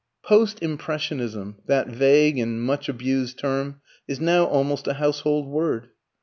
Post Impressionism, that vague and much abused term, is now almost a household word.